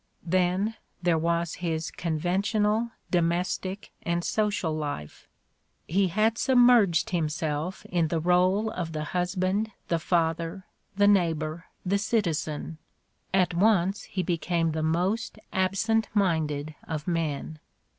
Then there was his conventional domestic and social life. He had submerged himself in the role of the hus band, the father, the neighbor, the citizen. At once he became the most'absent minded of men